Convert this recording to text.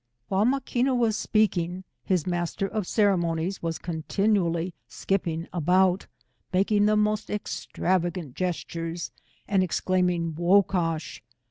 9 While Maqaina was speaking, his master of cere jnoni'es was continually skipping about, making the most extravagant gestures, and exclaiming IVocash.